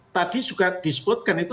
tadi juga disebutkan itu